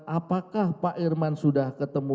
apakah pak irman sudah ketemu